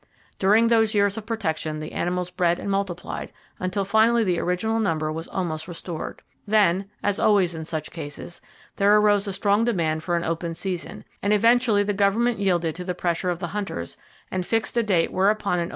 During those years of protection, the animals bred and multiplied, until finally the original number was almost restored. Then,—as always in such cases,—there arose a strong demand for an open season; and eventually the government yielded to the pressure of the hunters, and fixed a date whereon an open season should begin.